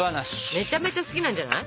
めちゃめちゃ好きなんじゃない？